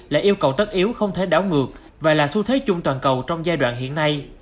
là yêu cầu tất yếu không thể đảo ngược và là xu thế chung toàn cầu trong giai đoạn hiện nay